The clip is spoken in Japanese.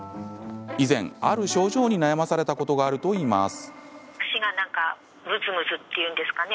以前、ある症状に悩まされたことがあるといいます。